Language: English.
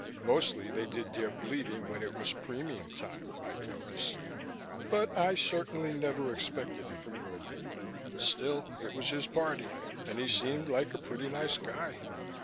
Mostly they did their bleating when it was premium time, I'd noticed. But I certainly never expected it from Gogarty. Still it was his party. And he seemed like a pretty nice guy.